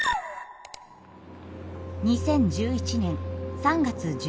２０１１年３月１１日。